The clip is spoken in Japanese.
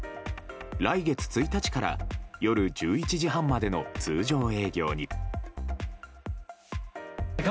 来月１日から夜１１時半までの通常営業に。